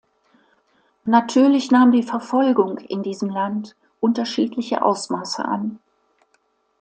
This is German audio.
Natürlich nahm die Verfolgung in diesem Land unterschiedliche Ausmaße an.